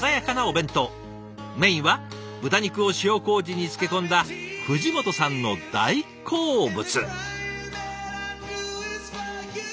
メインは豚肉を塩こうじに漬け込んだ藤本さんの大好物。